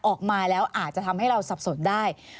ออกมาแล้วอาจจะทำให้เราสับสนได้